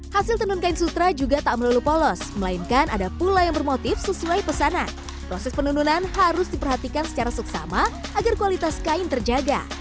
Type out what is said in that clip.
hasil tenun kain sutra juga tak melulu polos melainkan ada pula yang bermotif sesuai pesanan proses penununan harus diperhatikan secara suksama agar kualitas kain terjaga